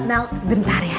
mel bentar ya